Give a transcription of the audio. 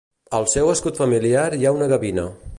Al seu escut familiar hi ha una gavina.